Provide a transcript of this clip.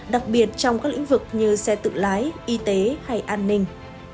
đặc biệt trong các lĩnh vực như xe tự lái y tế hay an ninh